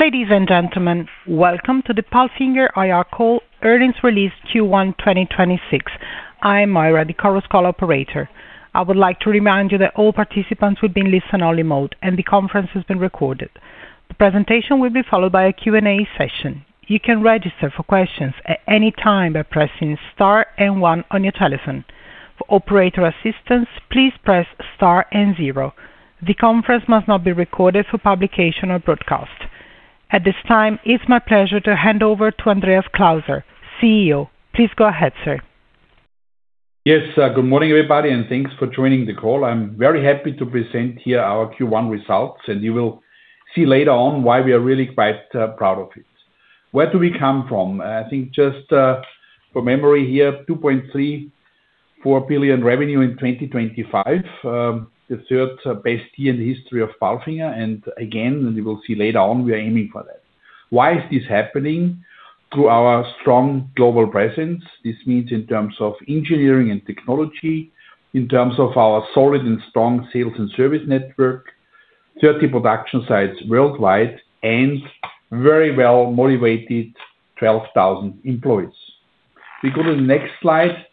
Ladies and gentlemen, welcome to the Palfinger IR Call Earnings Release Q1 2026. I am Myra, the Chorus Call operator. I would like to remind you that all participants will be in listen-only mode, and the conference is being recorded. The presentation will be followed by a Q&A session. You can register for questions at any time by pressing star and one on your telephone. For operator assistance, please press star and zero. The conference must not be recorded for publication or broadcast. At this time, it's my pleasure to hand over to Andreas Klauser, CEO. Please go ahead, sir. Yes. Good morning, everybody, and thanks for joining the call. I'm very happy to present here our Q1 results, and you will see later on why we are really quite proud of it. Where do we come from? I think just from memory here, 2.34 billion revenue in 2025. The third best year in the history of Palfinger. Again, you will see later on, we are aiming for that. Why is this happening? Through our strong global presence. This means in terms of engineering and technology, in terms of our solid and strong sales and service network, 30 production sites worldwide, and very well motivated 12,000 employees. If we go to the next slide.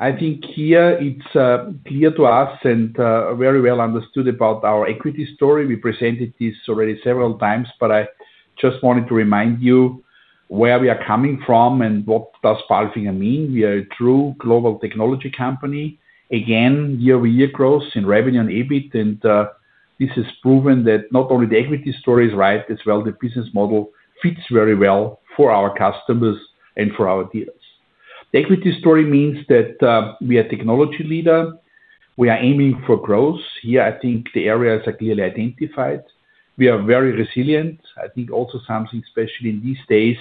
I think here it's clear to us and very well understood about our equity story. We presented this already several times, but I just wanted to remind you where we are coming from and what does Palfinger mean. We are a true global technology company. Again, year-over-year growth in revenue and EBIT. This has proven that not only the equity story is right as well, the business model fits very well for our customers and for our dealers. The equity story means that, we are technology leader. We are aiming for growth. Here, I think the areas are clearly identified. We are very resilient. I think also something, especially in these days,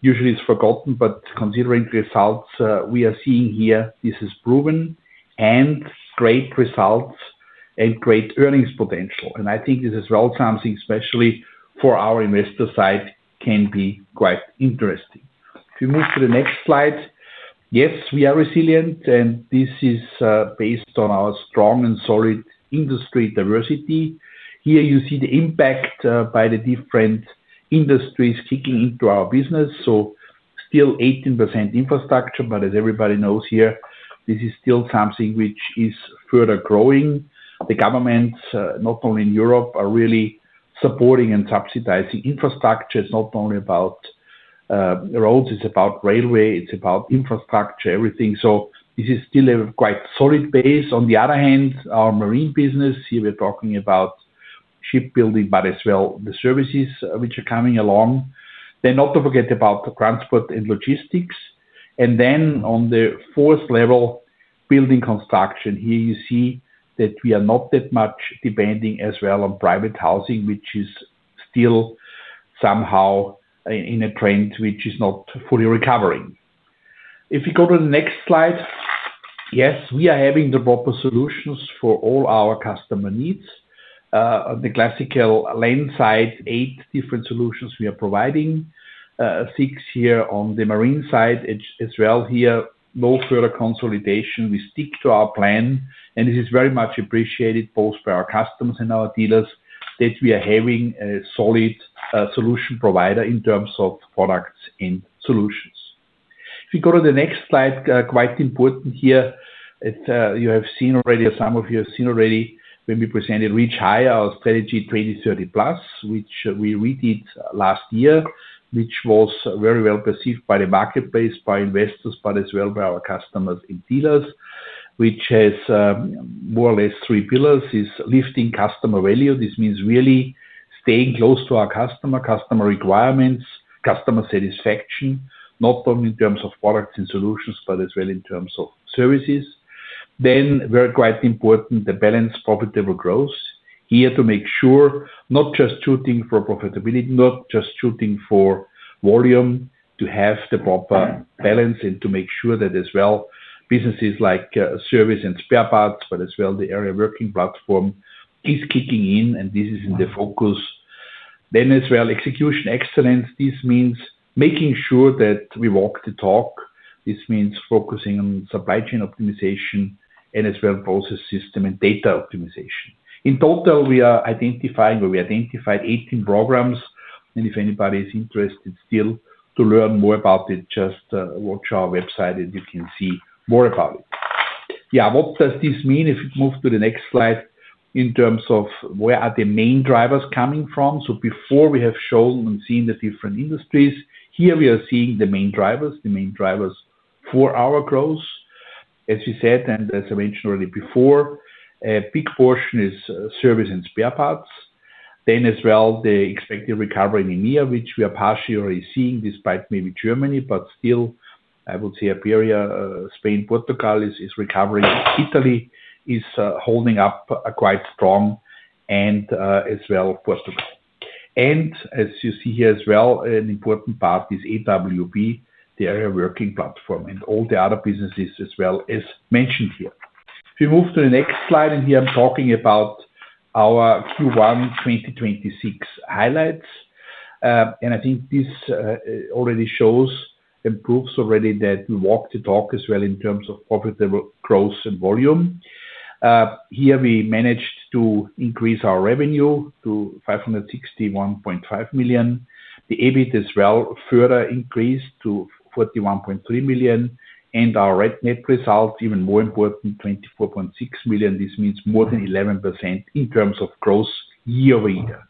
usually it's forgotten, but considering results, we are seeing here, this is proven and great results and great earnings potential. I think this is well something especially for our investor side, can be quite interesting. If you move to the next slide. Yes, we are resilient, and this is based on our strong and solid industry diversity. Here you see the impact by the different industries kicking into our business. Still 18% infrastructure, but as everybody knows here, this is still something which is further growing. The government not only in Europe are really supporting and subsidizing infrastructure. It's not only about roads, it's about railway, it's about infrastructure, everything. This is still a quite solid base. On the other hand, our Marine business here, we're talking about shipbuilding, but as well the services which are coming along. Not to forget about the transport and logistics. On the fourth level, building construction. Here you see that we are not that much depending as well on private housing, which is still somehow in a trend which is not fully recovering. If you go to the next slide. Yes, we are having the proper solutions for all our customer needs. The classical land side, 8 different solutions we are providing. Six here on the Marine side. As well here, no further consolidation. We stick to our plan, and it is very much appreciated both by our customers and our dealers, that we are having a solid solution provider in terms of products and solutions. If you go to the next slide. Quite important here. You've seen already, or some of you have seen already, when we presented Reach Higher, our Strategy 2030+, which we redid last year, which was very well perceived by the marketplace, by investors, but as well by our customers and dealers. Which has more or less 3 pillars, is lifting customer value. This means really staying close to our customer requirements, customer satisfaction, not only in terms of products and solutions, but as well in terms of services. Very quite important, the balanced profitable growth. Here to make sure not just shooting for profitability, not just shooting for volume, to have the proper balance and to make sure that as well, businesses like service and spare parts, but as well the Aerial Work Platform is kicking in and this is in the focus. As well, execution excellence. This means making sure that we walk the talk. This means focusing on supply chain optimization and as well process system and data optimization. In total, we are identifying or we identified 18 programs, and if anybody is interested still to learn more about it, just watch our website and you can see more about it. Yeah. What does this mean? If you move to the next slide. In terms of where are the main drivers coming from. Before we have shown and seen the different industries, here we are seeing the main drivers. The main drivers for our growth, as you said, and as I mentioned already before, a big portion is service and spare parts. As well, the expected recovery in EMEA, which we are partially seeing despite maybe Germany, but still, I would say Iberia, Spain, Portugal is recovering. Italy is holding up quite strong and, as well Portugal. As you see here as well, an important part is AWP, the Aerial Work Platform, and all the other businesses as well is mentioned here. If you move to the next slide, and here I'm talking about our Q1 2026 highlights. I think this already shows and proves that we walk the talk as well in terms of profitable growth and volume. Here we managed to increase our revenue to 561.5 million. The EBIT as well further increased to 41.3 million and our net result even more important, 24.6 million. This means more than 11% in terms of growth year-over-year.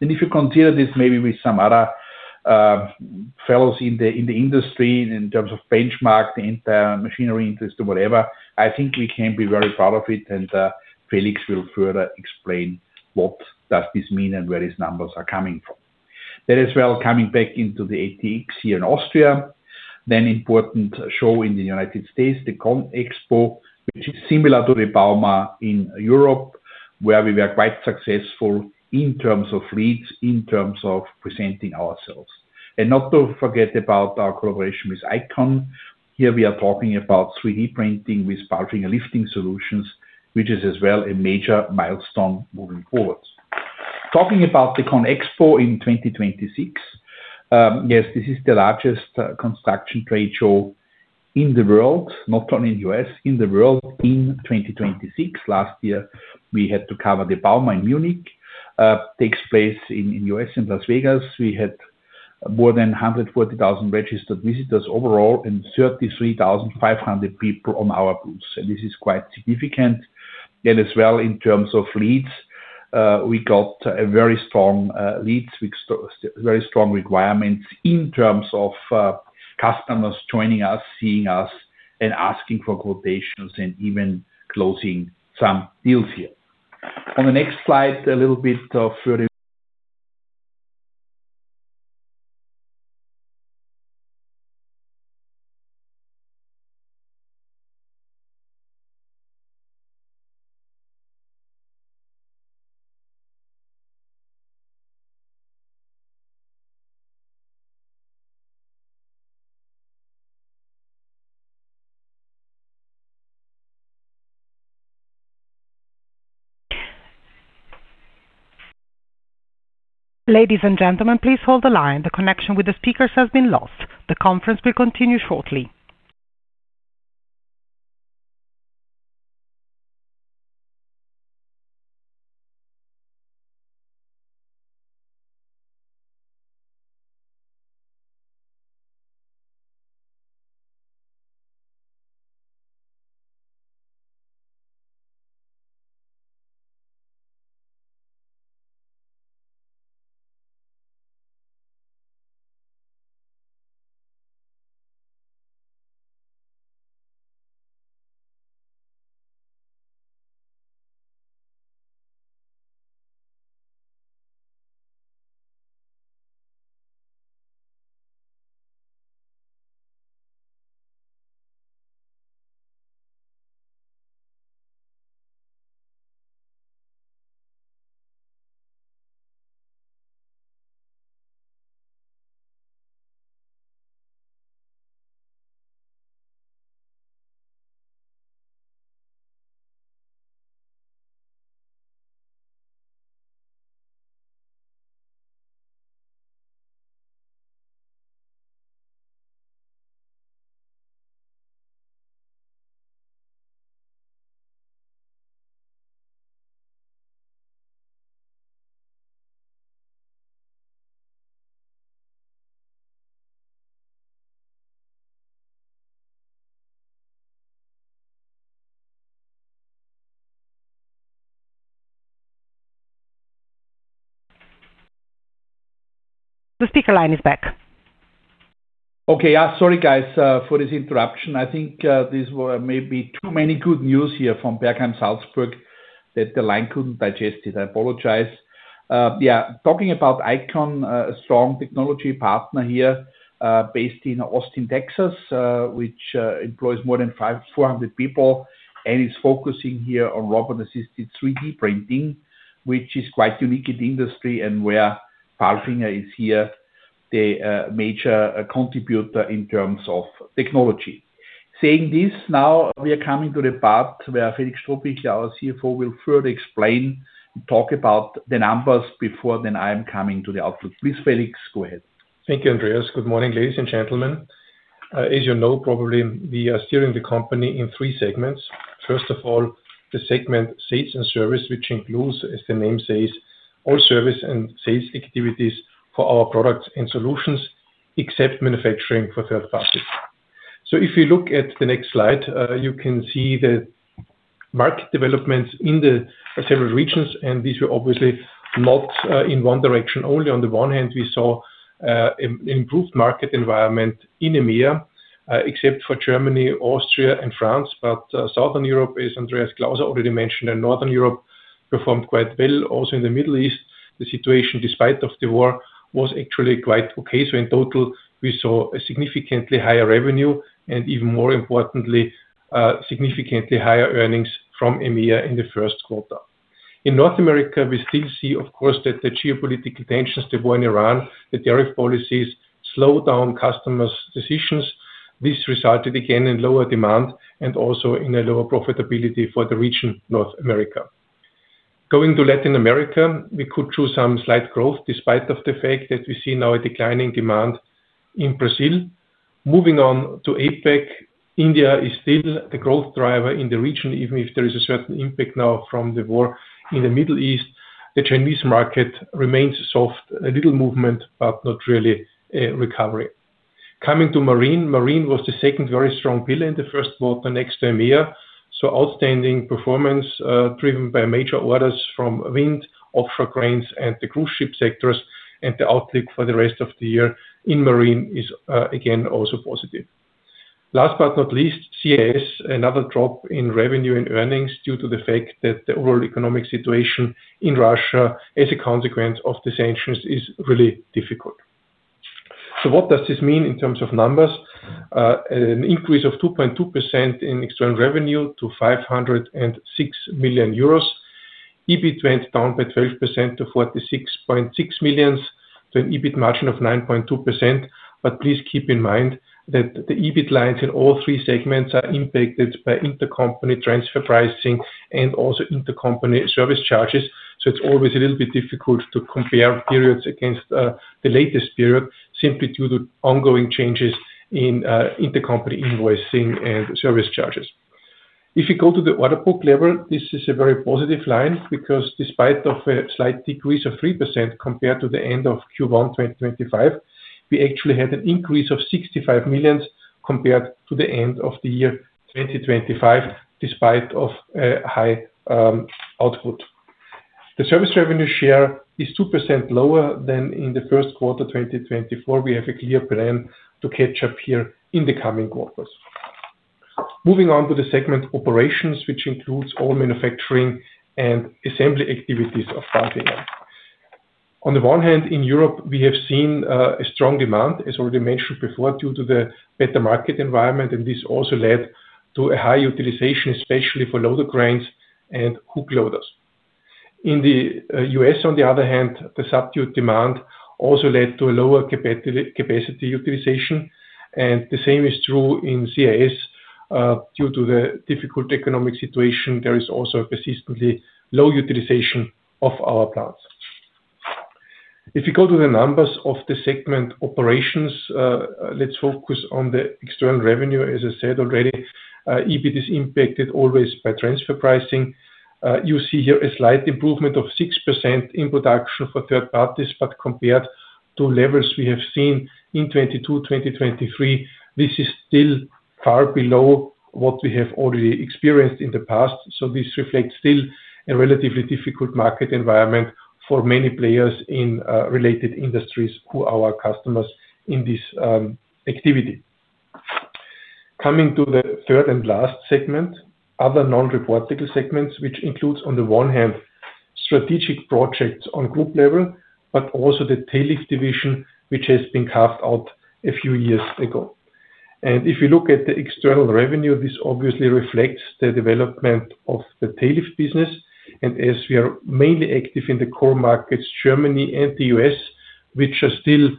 If you consider this maybe with some other fellows in the industry in terms of benchmark, the entire machinery industry or whatever, I think we can be very proud of it. Felix will further explain what does this mean and where his numbers are coming from. As well, coming back into the ATX here in Austria, important show in the United States, the CONEXPO, which is similar to the Bauma in Europe, where we were quite successful in terms of leads, in terms of presenting ourselves. Not to forget about our collaboration with ICON. Here we are talking about 3D printing with Palfinger lifting solutions, which is as well a major milestone moving forward. Talking about the CONEXPO in 2026. Yes, this is the largest construction trade show in the world, not only in U.S., in the world in 2026. Last year, we had the bauma in Munich. It takes place in U.S., in Las Vegas. We had more than 140,000 registered visitors overall and 33,500 people on our booth. This is quite significant then as well, in terms of leads, we got a very strong leads, very strong requirements in terms of customers joining us, seeing us, and asking for quotations and even closing some deals here. On the next slide, a little bit of further- Ladies and gentlemen, please hold the line. The connection with the speakers has been lost. The conference will continue shortly. The speaker line is back. Okay. Yeah. Sorry, guys, for this interruption. I think there were maybe too many good news here from [Bergheim Salzburg] that the line couldn't digest it. I apologize. Yeah, talking about ICON, a strong technology partner here, based in Austin, Texas, which employs more than 400 people and is focusing here on robot-assisted 3D printing, which is quite unique in the industry and where Palfinger is here the major contributor in terms of technology. Saying this now we are coming to the part where Felix Strohbichler, our CFO, will further explain and talk about the numbers before then I am coming to the outlook. Please, Felix, go ahead. Thank you, Andreas. Good morning, ladies and gentlemen. As you know, probably we are steering the company in three segments. First of all, the segment sales and service, which includes, as the name says, all service and sales activities for our products and solutions, except manufacturing for third parties. If you look at the next slide, you can see the market developments in the several regions, and these were obviously not in one direction only. On the one hand, we saw improved market environment in EMEA, except for Germany, Austria, and France. Southern Europe, as Andreas Klauser already mentioned, and Northern Europe performed quite well. Also in the Middle East, the situation, despite of the war, was actually quite okay. In total, we saw a significantly higher revenue and even more importantly, significantly higher earnings from EMEA in the first quarter. In North America, we still see, of course, that the geopolitical tensions, the war in Iran, the tariff policies slowed down customers decisions. This resulted again in lower demand and also in a lower profitability for the region, North America. Going to Latin America, we could show some slight growth despite of the fact that we see now a declining demand in Brazil. Moving on to APAC, India is still the growth driver in the region, even if there is a certain impact now from the war in the Middle East. The Chinese market remains soft. A little movement, but not really a recovery. Coming to Marine. Marine was the second very strong pillar in the first quarter next to EMEA. Outstanding performance, driven by major orders from wind, offshore cranes, and the cruise ship sectors. The outlook for the rest of the year in Marine is, again, also positive. Last but not least, CIS, another drop in revenue and earnings due to the fact that the overall economic situation in Russia as a consequence of the sanctions is really difficult. What does this mean in terms of numbers? An increase of 2.2% in external revenue to 506 million euros. EBIT went down by 12% to 46.6 million to an EBIT margin of 9.2%. Please keep in mind that the EBIT lines in all three segments are impacted by intercompany transfer pricing and also intercompany service charges. It's always a little bit difficult to compare periods against the latest period simply due to ongoing changes in intercompany invoicing and service charges. If you go to the order book level, this is a very positive line because despite of a slight decrease of 3% compared to the end of Q1 2025, we actually had an increase of 65 million compared to the end of the year 2025, despite of high output. The service revenue share is 2% lower than in the first quarter 2024. We have a clear plan to catch up here in the coming quarters. Moving on to the segment operations, which includes all manufacturing and assembly activities of Palfinger. On the one hand, in Europe, we have seen a strong demand, as already mentioned before, due to the better market environment, and this also led to a high utilization, especially for loader cranes and hook loaders. In the U.S., on the other hand, the subdued demand also led to a lower capacity utilization, and the same is true in CIS. Due to the difficult economic situation, there is also persistently low utilization of our plants. If you go to the numbers of the segment operations, let's focus on the external revenue. As I said already, EBIT is impacted always by transfer pricing. You see here a slight improvement of 6% in production for third parties, but compared to levels we have seen in 2022, 2023, this is still far below what we have already experienced in the past. This reflects still a relatively difficult market environment for many players in related industries who are our customers in this activity. Coming to the third and last segment, other non-reportable segments, which includes, on the one hand, strategic projects on group level, but also the Tail Lifts division, which has been carved out a few years ago. If you look at the external revenue, this obviously reflects the development of the Tail Lifts business. As we are mainly active in the core markets, Germany and the U.S., which are still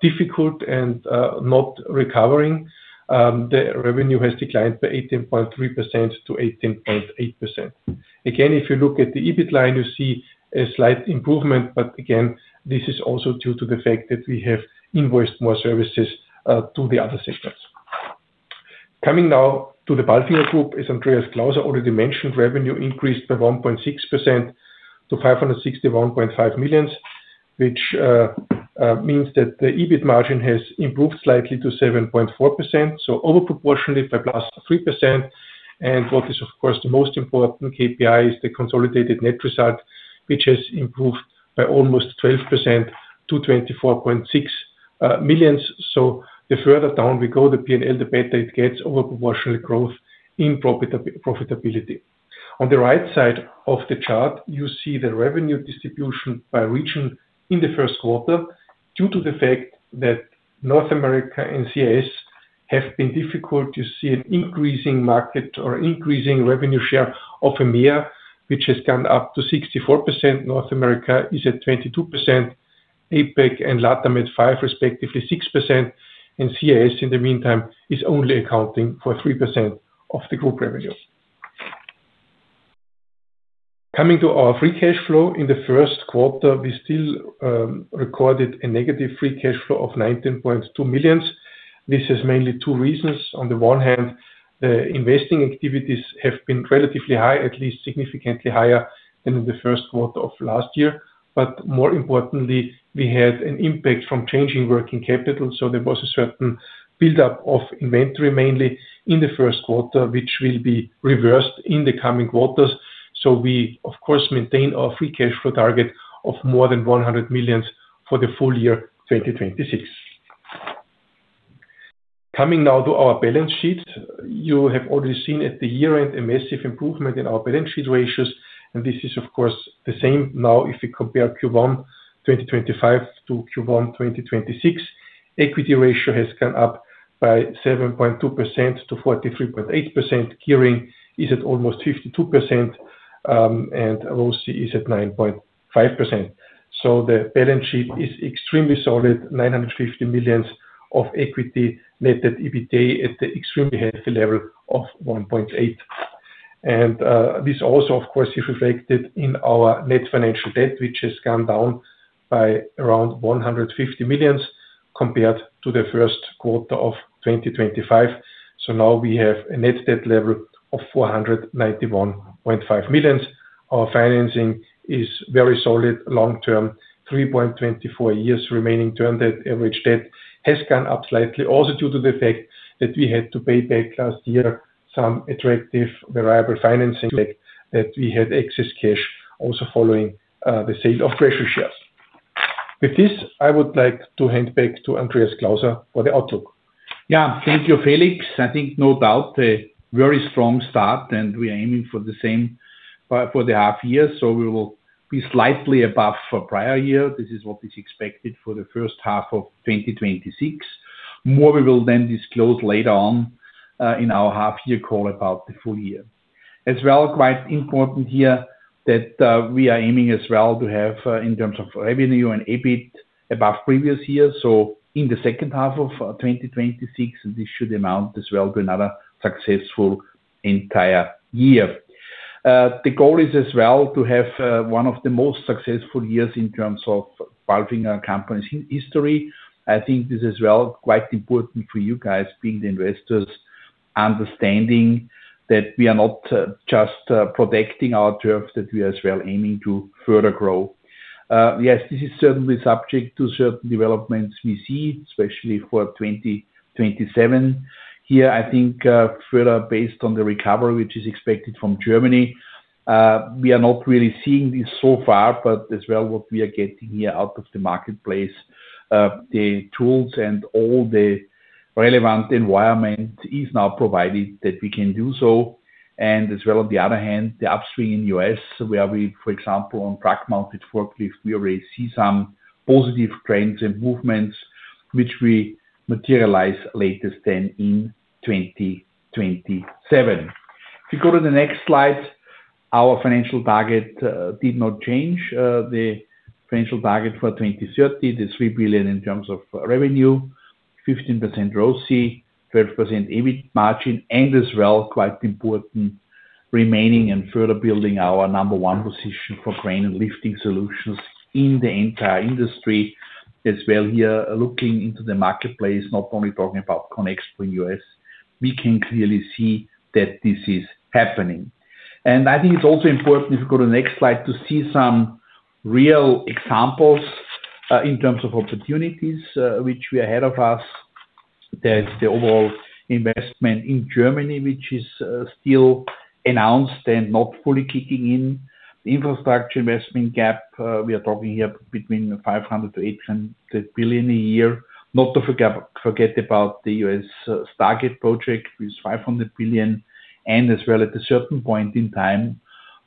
difficult and not recovering, the revenue has declined by 18.3% to 18.8%. Again, if you look at the EBIT line, you see a slight improvement. Again, this is also due to the fact that we have invoiced more services to the other segments. Coming now to the Palfinger Group. As Andreas Klauser already mentioned, revenue increased by 1.6% to 561.5 million, which means that the EBIT margin has improved slightly to 7.4%, over proportionally by +3%. What is of course the most important KPI is the consolidated net result, which has improved by almost 12% to 24.6 million. The further down we go, the P&L, the better it gets over proportional growth in profitability. On the right side of the chart, you see the revenue distribution by region in the first quarter. Due to the fact that North America and CIS have been difficult, you see an increasing market or increasing revenue share of EMEA, which has gone up to 64%. North America is at 22%. APAC and LATAM at 5%, respectively 6%. CIS, in the meantime, is only accounting for 3% of the group revenue. Coming to our free cash flow. In the first quarter, we still recorded a negative free cash flow of 19.2 million. This is mainly two reasons. On the one hand, the investing activities have been relatively high, at least significantly higher than in the first quarter of last year. More importantly, we had an impact from changing working capital, so there was a certain buildup of inventory, mainly in the first quarter, which will be reversed in the coming quarters. We, of course, maintain our free cash flow target of more than 100 million for the full year 2026. Coming now to our balance sheet. You have already seen at the year-end a massive improvement in our balance sheet ratios, and this is of course the same now if we compare Q1 2025 to Q1 2026. Equity ratio has gone up by 7.2% to 43.8%. Gearing is at almost 52%, and ROCE is at 9.5%. The balance sheet is extremely solid. 950 million of equity. Net debt/EBITDA at the extremely healthy level of 1.8. This also, of course, is reflected in our net financial debt, which has come down by around 150 million compared to the first quarter of 2025. Now we have a net debt level of 491.5 million. Our financing is very solid long-term, 3.24 years remaining term. The average debt has gone up slightly. Also due to the fact that we had to pay back last year some attractive variable financing that we had excess cash also following the sale of treasury shares. With this, I would like to hand back to Andreas Klauser for the outlook. Yeah. Thank you, Felix. I think no doubt a very strong start, and we are aiming for the same for the half year, so we will be slightly above prior year. This is what is expected for the first half of 2026. More we will then disclose later on in our half year call about the full year. As well, quite important here that we are aiming as well to have in terms of revenue and EBIT above previous years. In the second half of 2026, this should amount as well to another successful entire year. The goal is as well to have one of the most successful years in the company's history. I think this is well quite important for you guys, being the investors, understanding that we are not just protecting our turf, that we as well aiming to further grow. Yes, this is certainly subject to certain developments we see, especially for 2027. Here, I think, further based on the recovery which is expected from Germany, we are not really seeing this so far, but as well what we are getting here out of the marketplace, the tools and all the relevant environment is now provided that we can do so. As well, on the other hand, the upswing in U.S., where we, for example, on truck-mounted forklifts, we already see some positive trends and movements which we materialize latest then in 2027. If you go to the next slide, our financial target did not change. The financial target for 2030, the 3 billion in terms of revenue, 15% ROCE, 12% EBIT margin, and as well, quite important, remaining and further building our number one position for crane and lifting solutions in the entire industry. Here, looking into the marketplace, not only talking about CONEXPO for U.S., we can clearly see that this is happening. I think it's also important, if you go to the next slide, to see some real examples, in terms of opportunities, which we have ahead of us. There is the overall investment in Germany, which is, still announced and not fully kicking in. The infrastructure investment gap, we are talking here between 500 billion and 800 billion a year. Not to forget about the U.S. target project with 500 billion and as well at a certain point in time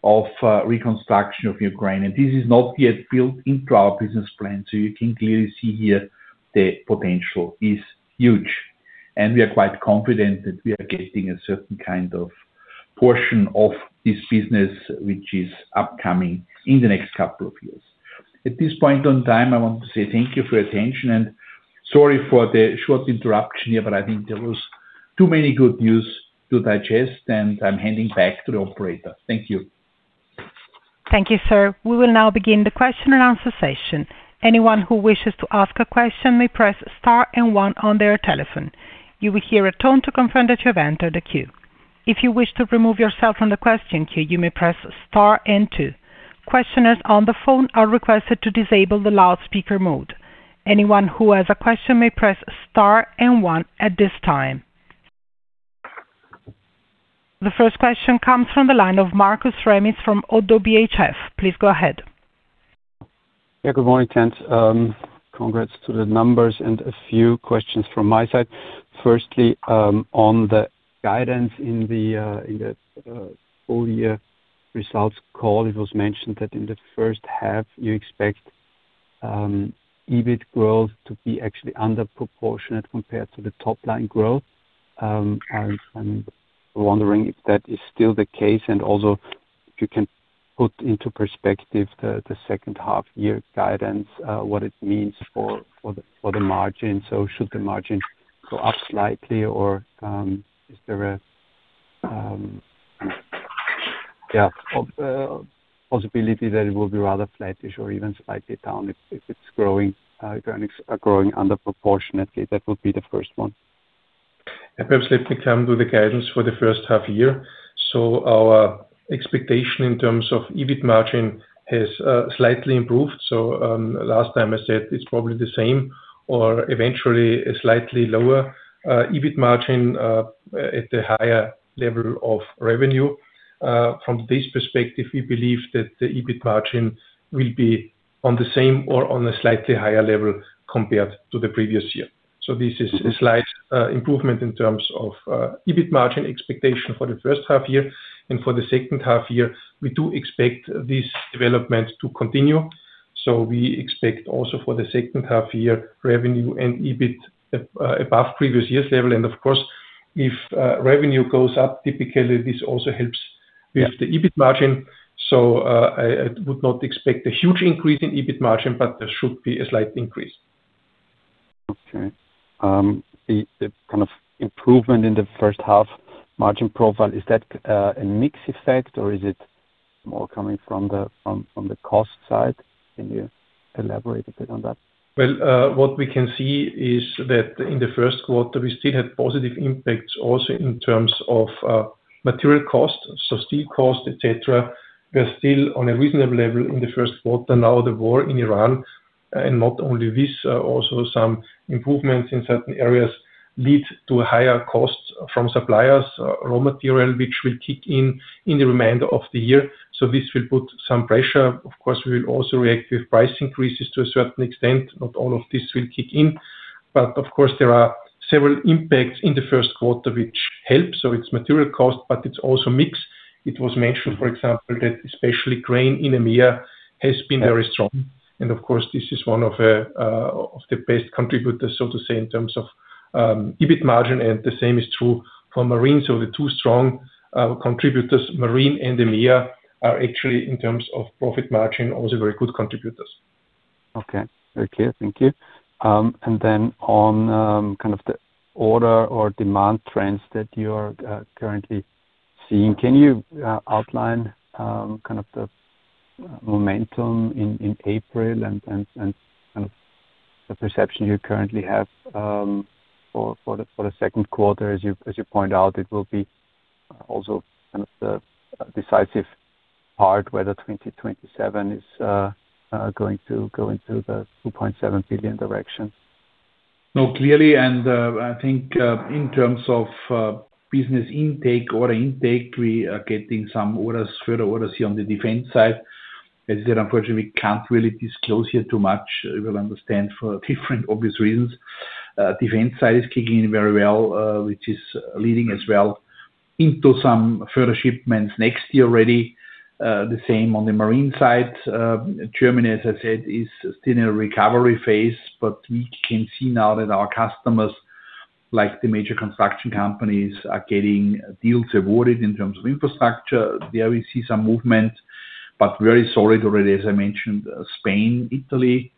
of reconstruction of Ukraine. This is not yet built into our business plan. You can clearly see here the potential is huge. We are quite confident that we are getting a certain kind of portion of this business, which is upcoming in the next couple of years. At this point in time, I want to say thank you for your attention and sorry for the short interruption here, but I think there was too many good news to digest, and I'm handing back to the operator. Thank you. Thank you, sir. We will now begin the question and answer session. Anyone who wishes to ask a question may press Star and one on their telephone. You will hear a tone to confirm that you have entered the queue. If you wish to remove yourself from the question queue, you may press star and two. Questioners on the phone are requested to disable the loudspeaker mode. Anyone who has a question may press star and one at this time. The first question comes from the line of Markus Remis from ODDO BHF. Please go ahead. Yeah. Good morning, gents. Congrats to the numbers and a few questions from my side. Firstly, on the guidance in the full year results call, it was mentioned that in the first half you expect EBIT growth to be actually under proportionate compared to the top line growth. I'm wondering if that is still the case and also if you can put into perspective the second half year guidance, what it means for the margin. Should the margin go up slightly or is there a possibility that it will be rather flattish or even slightly down if earnings are growing under proportionately? That would be the first one. Perhaps let me come to the guidance for the first half year. Our expectation in terms of EBIT margin has slightly improved. Last time I said it's probably the same or eventually a slightly lower EBIT margin at the higher level of revenue. From this perspective, we believe that the EBIT margin will be on the same or on a slightly higher level compared to the previous year. This is a slight improvement in terms of EBIT margin expectation for the first half year. For the second half year, we do expect this development to continue. We expect also for the second half year revenue and EBIT above previous year's level. Of course, if revenue goes up, typically this also helps with the EBIT margin. I would not expect a huge increase in EBIT margin, but there should be a slight increase. Okay. The kind of improvement in the first half margin profile, is that a mix effect or is it more coming from the cost side? Can you elaborate a bit on that? Well, what we can see is that in the first quarter, we still had positive impacts also in terms of, material costs, so steel costs, et cetera. We are still on a reasonable level in the first quarter. Now, the war in Ukraine, and not only this, also some improvements in certain areas lead to higher costs from suppliers, raw material, which will kick in the remainder of the year. This will put some pressure. Of course, we will also react with price increases to a certain extent. Not all of this will kick in, but of course, there are several impacts in the first quarter which help. It's material cost, but it's also mix. It was mentioned, for example, that especially cranes in EMEA has been very strong. Of course, this is one of the best contributors, so to say, in terms of EBIT margin, and the same is true for Marine. The two strong contributors, Marine and EMEA, are actually, in terms of profit margin, also very good contributors. Okay. Very clear. Thank you. On kind of the order or demand trends that you're currently seeing, can you outline kind of the momentum in April and the perception you currently have for the second quarter as you point out, it will be also kind of the decisive part whether 2027 is going to go into the 2.7 billion direction. No, clearly, I think, in terms of business intake, order intake, we are getting some orders, further orders here on the defense side. As I said, unfortunately, we can't really disclose here too much. You will understand for different obvious reasons. Defense side is kicking in very well, which is leading as well into some further shipments next year already. The same on the Marine side. Germany, as I said, is still in a recovery phase, but we can see now that our customers, like the major construction companies, are getting deals awarded in terms of infrastructure. There we see some movement, but very solid already, as I mentioned, Spain, Italy,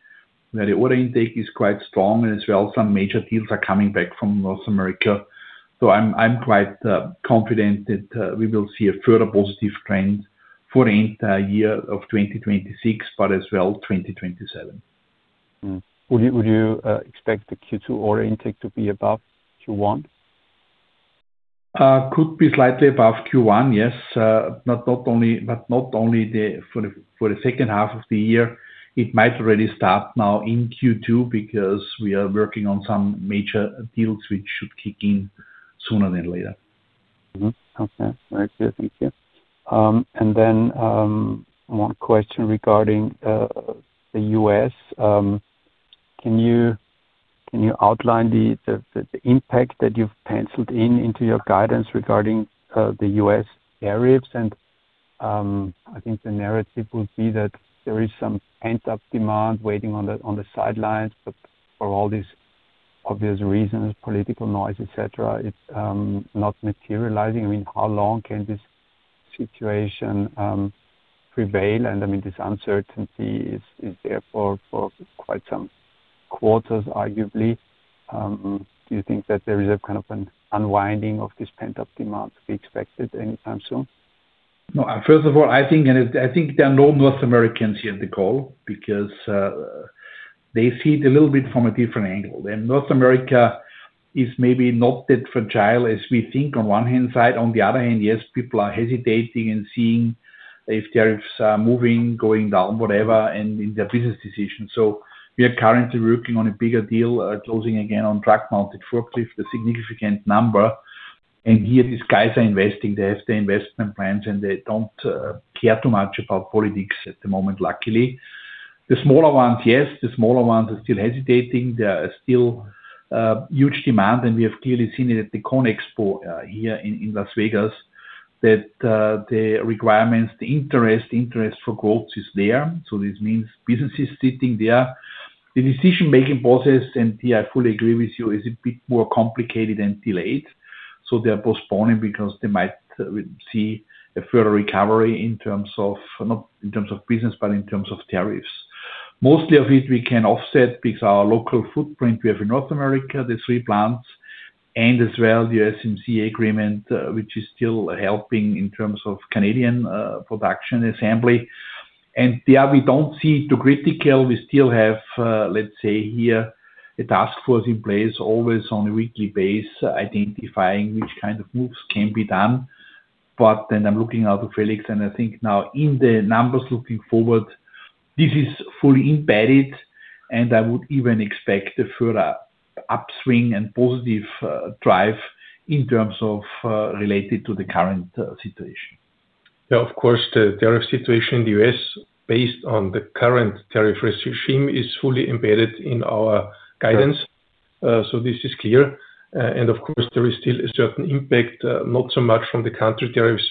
where the order intake is quite strong, and as well, some major deals are coming back from North America. I'm quite confident that we will see a further positive trend for the entire year of 2026, but as well, 2027. Would you expect the Q2 order intake to be above Q1? Could be slightly above Q1, yes. Not only for the second half of the year. It might already start now in Q2 because we are working on some major deals which should kick in sooner than later. Okay. Very clear. Thank you. One question regarding the U.S. Can you outline the impact that you've penciled in into your guidance regarding the U.S. tariffs? I think the narrative would be that there is some pent-up demand waiting on the sidelines, but for all these obvious reasons, political noise, et cetera, it's not materializing. I mean, how long can this situation prevail? I mean, this uncertainty is there for quite some quarters, arguably. Do you think that there is a kind of an unwinding of this pent-up demand to be expected anytime soon? No. First of all, I think there are no North Americans here on the call because they see it a little bit from a different angle. North America is maybe not that fragile as we think on one hand side. On the other hand, yes, people are hesitating and seeing if tariffs are moving, going down, whatever, and in their business decisions. We are currently working on a bigger deal closing again on truck-mounted forklift, a significant number. Here, these guys are investing. They have their investment plans, and they don't care too much about politics at the moment, luckily. The smaller ones, yes. The smaller ones are still hesitating. There are still huge demand, and we have clearly seen it at the CONEXPO here in Las Vegas, that the requirements, the interest for quotes is there. This means business is sitting there. The decision-making process, and here I fully agree with you, is a bit more complicated and delayed. They are postponing because they might see a further recovery not in terms of business, but in terms of tariffs. Most of it we can offset because our local footprint we have in North America, the three plants, and as well, the USMCA agreement, which is still helping in terms of Canadian production assembly. There, we don't see too critical. We still have, let's say here, a task force in place always on a weekly basis, identifying which kind of moves can be done. I'm looking now to Felix, and I think now in the numbers looking forward, this is fully embedded, and I would even expect a further upswing and positive drive in terms of related to the current situation. Yeah, of course, the tariff situation in the U.S. based on the current tariff regime is fully embedded in our guidance. This is clear. Of course, there is still a certain impact, not so much from the country tariffs.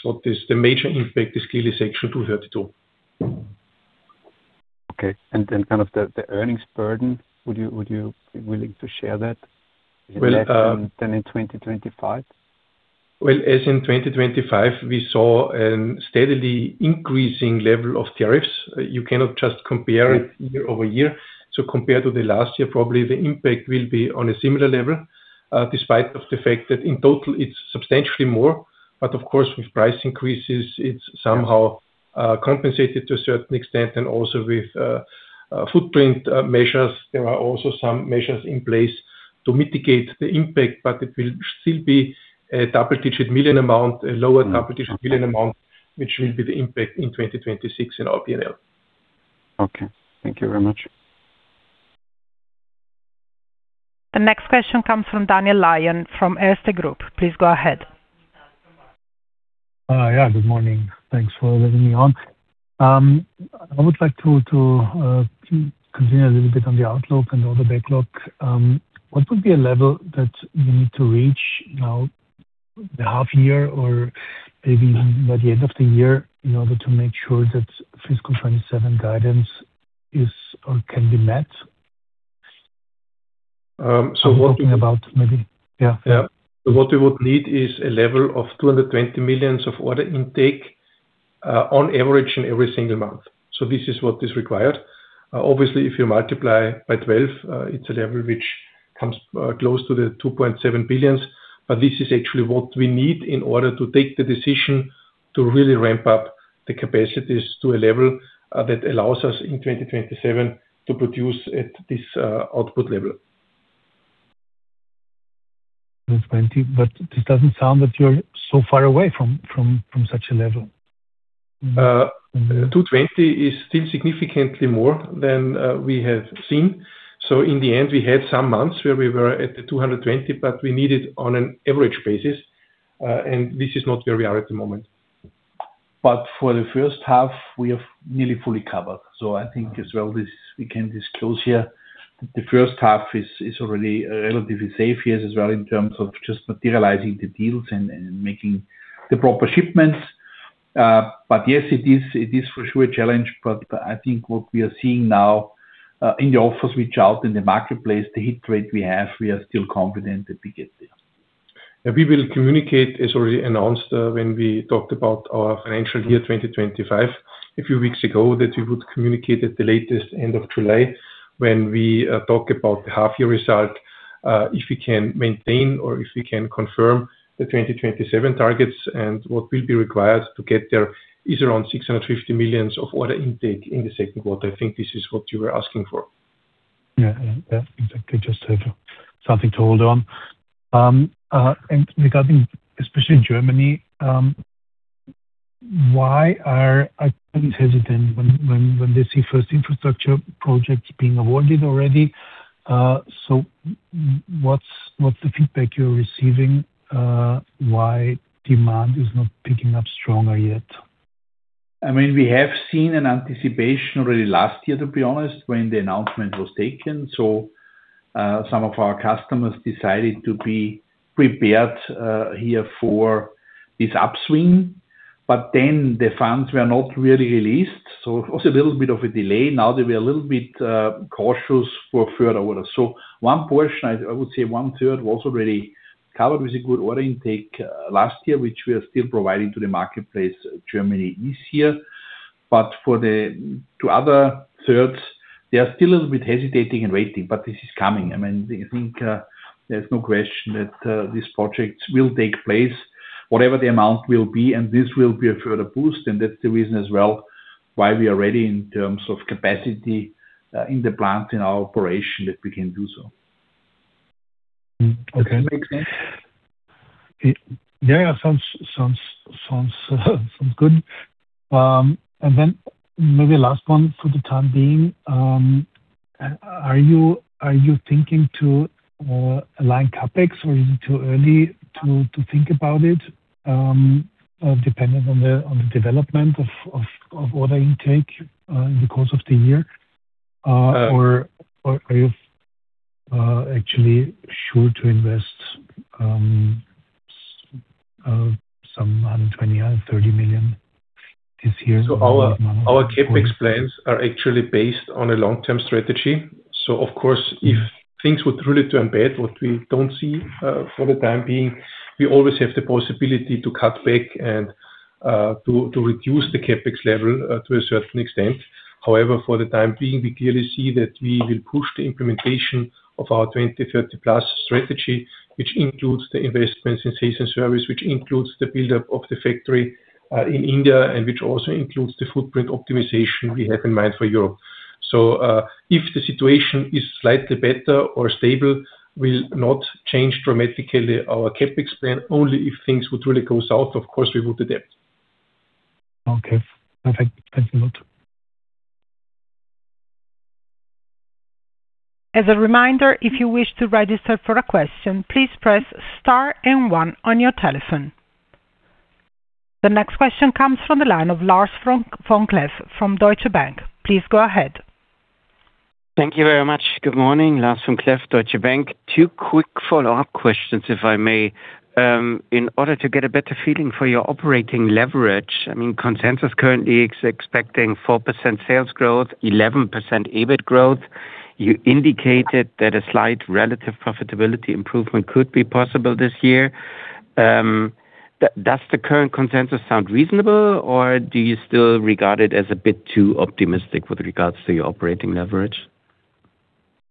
The major impact is clearly Section 232. Okay. Kind of the earnings burden, would you be willing to share that? Well. less than in 2025? Well, as in 2025, we saw a steadily increasing level of tariffs. You cannot just compare it year-over-year. Compared to the last year, probably the impact will be on a similar level, despite of the fact that in total it's substantially more. Of course, with price increases, it's somehow compensated to a certain extent. Also with footprint measures. There are also some measures in place to mitigate the impact, but it will still be a double-digit million amount, a lower double-digit million amount, which will be the impact in 2026 in our PNL. Okay. Thank you very much. The next question comes from Daniel Lion from Erste Group. Please go ahead. Yeah, good morning. Thanks for letting me on. I would like to continue a little bit on the outlook and order backlog. What would be a level that you need to reach now, the half year or maybe by the end of the year, in order to make sure that fiscal 2027 guidance is or can be met? What- I'm talking about maybe. Yeah. Yeah. What we would need is a level of 200 million of order intake, on average in every single month. This is what is required. Obviously, if you multiply by 12, it's a level which comes close to the 2.7 billion. This is actually what we need in order to take the decision to really ramp up the capacities to a level that allows us in 2027 to produce at this output level. 2:20. This doesn't sound that you're so far away from such a level. 220 is still significantly more than we have seen. In the end, we had some months where we were at the 220, but we need it on an average basis. This is not where we are at the moment. For the first half we have nearly fully covered. I think as well this, we can disclose here, the first half is already relatively safe here as well in terms of just materializing the deals and making the proper shipments. Yes, it is for sure a challenge. I think what we are seeing now, in the office reach out in the marketplace, the hit rate we have, we are still confident that we get there. We will communicate, as already announced, when we talked about our financial year 2025 a few weeks ago, that we would communicate at the latest end of July when we talk about the half year result, if we can maintain or if we can confirm the 2027 targets and what will be required to get there is around 650 million of order intake in the second quarter. I think this is what you were asking for. Yeah. Yeah. Exactly. Just have something to hold on. Regarding, especially in Germany, why are companies hesitant when they see first infrastructure projects being awarded already? What's the feedback you're receiving? Why demand is not picking up stronger yet? I mean, we have seen an anticipation already last year, to be honest, when the announcement was taken. Some of our customers decided to be prepared here for this upswing, but then the funds were not really released, so it was a little bit of a delay. Now they were a little bit cautious for further orders. One portion, I would say one-third, was already covered with a good order intake last year, which we are still providing to the marketplace Germany this year. For the other thirds, they are still a little bit hesitating and waiting, but this is coming. I mean, I think, there's no question that these projects will take place, whatever the amount will be, and this will be a further boost, and that's the reason as well, why we are ready in terms of capacity, in the plant, in our operation, that we can do so. Okay. Does that make sense? Yeah. Sounds good. Then maybe last one for the time being. Are you thinking to align CapEx or is it too early to think about it, depending on the development of order intake in the course of the year? Or are you actually sure to invest some 120 million-130 million this year? Our CapEx plans are actually based on a long-term strategy. Of course, if things would really turn bad, what we don't see for the time being, we always have the possibility to cut back and to reduce the CapEx level to a certain extent. However, for the time being, we clearly see that we will push the implementation of our 2030+ strategy, which includes the investments in sales and service, which includes the buildup of the factory in India, and which also includes the footprint optimization we have in mind for Europe. If the situation is slightly better or stable, we'll not change dramatically our CapEx plan. Only if things would really go south, of course, we would adapt. Okay. Perfect. Thank you very much. As a reminder, if you wish to register for a question, please press star one on your telephone. The next question comes from the line of Lars Vom-Cleff from Deutsche Bank. Please go ahead. Thank you very much. Good morning. Lars Vom-Cleff, Deutsche Bank. Two quick follow-up questions, if I may. In order to get a better feeling for your operating leverage, I mean, consensus currently is expecting 4% sales growth, 11% EBIT growth. You indicated that a slight relative profitability improvement could be possible this year. Does the current consensus sound reasonable, or do you still regard it as a bit too optimistic with regards to your operating leverage?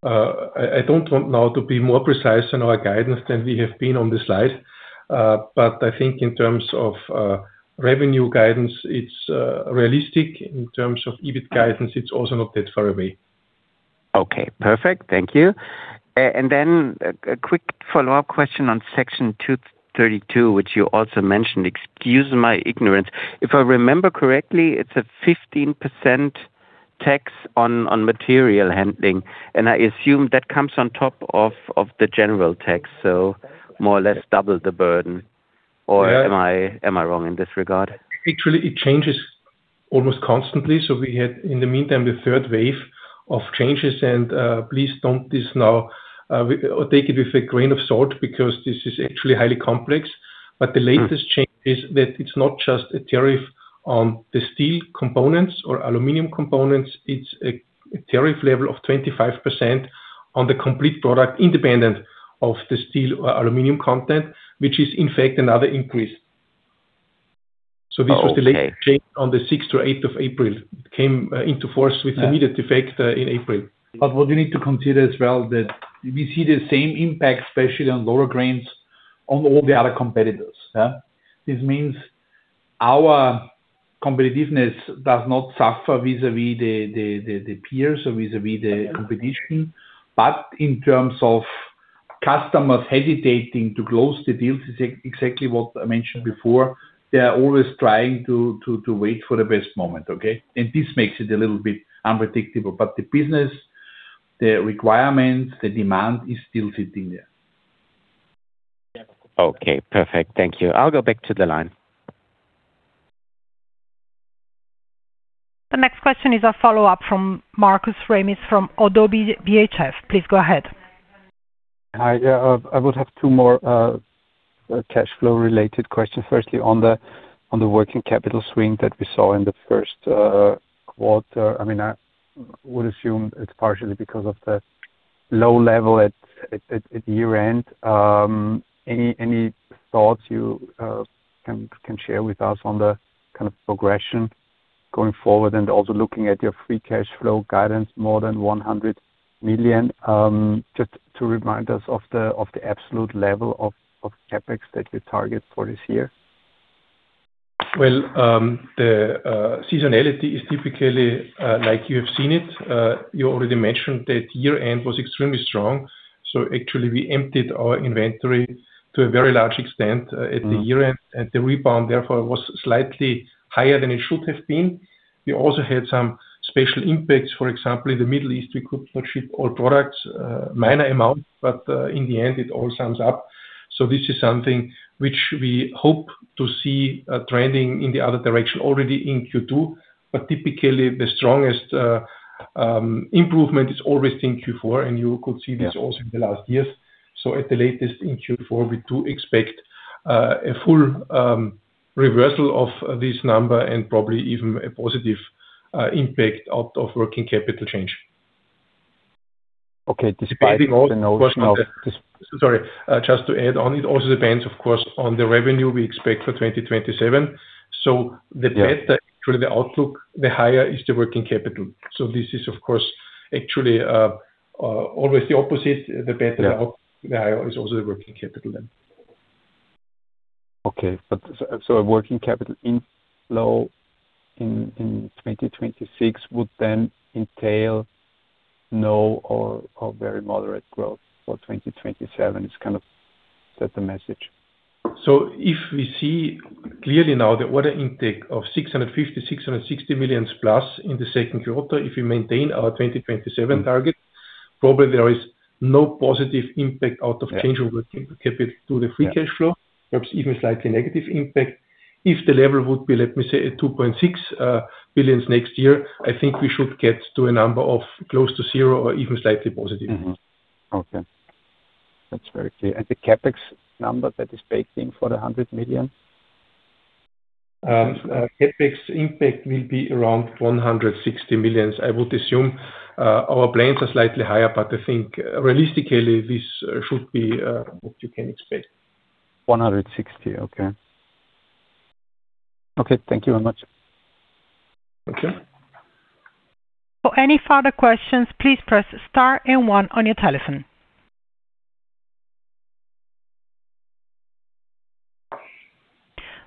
I don't want now to be more precise in our guidance than we have been on the slide. I think in terms of revenue guidance, it's realistic. In terms of EBIT guidance, it's also not that far away. Okay. Perfect. Thank you. A quick follow-up question on Section 232, which you also mentioned. Excuse my ignorance. If I remember correctly, it's a 15% tax on material handling, and I assume that comes on top of the general tax, so more or less double the burden. Or am I wrong in this regard? Actually, it changes almost constantly, so we had, in the meantime, the third wave of changes and, please don't disallow, or take it with a grain of salt because this is actually highly complex. The latest change is that it's not just a tariff on the steel components or aluminum components, it's a tariff level of 25% on the complete product, independent of the steel or aluminum content, which is in fact another increase. Oh, okay. This was the latest change on the 6th-8th of April that came into force with immediate effect in April. What we need to consider as well that we see the same impact, especially on loader cranes on all the other competitors, yeah. This means our competitiveness does not suffer vis-à-vis the peers or vis-à-vis the competition. In terms of customers hesitating to close the deals is exactly what I mentioned before. They are always trying to wait for the best moment, okay? This makes it a little bit unpredictable. The business, the requirements, the demand is still sitting there. Okay. Perfect. Thank you. I'll go back to the line. The next question is a follow-up from Markus Remis from ODDO BHF. Please go ahead. Hi. Yeah. I would have two more cash flow related questions. Firstly, on the working capital swing that we saw in the first quarter. I mean, I would assume it's partially because of the low level at year-end. Any thoughts you can share with us on the kind of progression going forward and also looking at your free cash flow guidance more than 100 million, just to remind us of the absolute level of CapEx that you target for this year? Well, the seasonality is typically, like you have seen it. You already mentioned that year-end was extremely strong. Actually we emptied our inventory to a very large extent at the year-end. The rebound therefore was slightly higher than it should have been. We also had some special impacts. For example, in the Middle East, we could not ship all products, minor amount, but in the end, it all sums up. This is something which we hope to see trending in the other direction already in Q2. Typically, the strongest improvement is always in Q4, and you could see this also in the last years. At the latest in Q4, we do expect a full reversal of this number and probably even a positive impact out of working capital change. Okay. Despite the notes now. Sorry. Just to add on, it also depends, of course, on the revenue we expect for 2027. Yeah. The better actually the outlook, the higher is the working capital. This is of course actually always the opposite. The better the outlook, the higher is also the working capital then. A working capital inflow in 2026 would then entail no or very moderate growth for 2027. It's kind of that's the message. If we see clearly now the order intake of 650 million-660 million plus in the second quarter, if we maintain our 2027 target, probably there is no positive impact out of change in working capital to the free cash flow. Perhaps even slightly negative impact. If the level would be, let me say, at 2.6 billion next year, I think we should get to a number of close to zero or even slightly positive. Okay. That's very clear. The CapEx number that is baked in for the 100 million? CapEx impact will be around 160 million. I would assume our plans are slightly higher, but I think realistically this should be what you can expect. 160. Okay. Thank you very much. Okay. For any further questions, please press star and one on your telephone.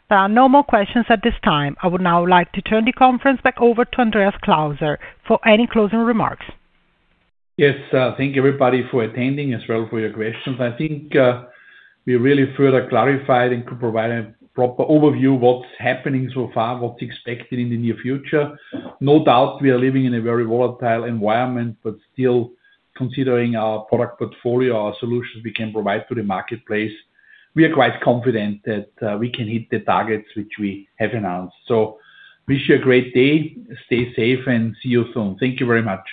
There are no more questions at this time. I would now like to turn the conference back over to Andreas Klauser for any closing remarks. Yes. Thank you, everybody, for attending, as well for your questions. I think, we really further clarified and could provide a proper overview what's happening so far, what's expected in the near future. No doubt we are living in a very volatile environment, but still considering our product portfolio, our solutions we can provide to the marketplace, we are quite confident that, we can hit the targets which we have announced. Wish you a great day. Stay safe and see you soon. Thank you very much.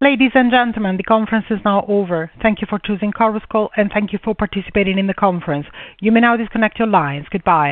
Ladies and gentlemen, the conference is now over. Thank you for choosing Chorus Call, and thank you for participating in the conference. You may now disconnect your lines. Goodbye.